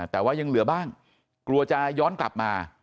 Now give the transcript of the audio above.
แต่ว่ายังเหลือบ้างกลัวจะย้อนกลับมา